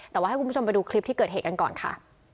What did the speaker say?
แต่ว่าให้คุณผู้ชมไปดูคลิปที่เกิดเหตุกันก่อนค่ะ